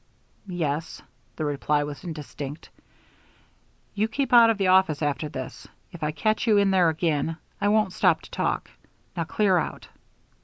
"Yes." The reply was indistinct. "You keep out of the office after this. If I catch you in there again, I won't stop to talk. Now, clear out."